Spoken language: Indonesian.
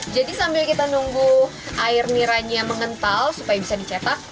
jadi sambil kita nunggu air niranya mengental supaya bisa dicetak